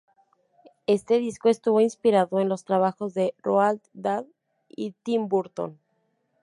Este disco estuvo inspirado en los trabajos de Roald Dahl y Tim Burton.